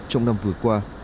trong năm vừa qua